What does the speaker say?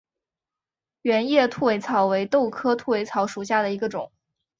圆叶兔尾草为豆科兔尾草属下的一个种。